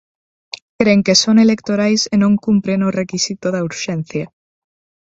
Cren que son electorais e non cumpren o requisito da urxencia.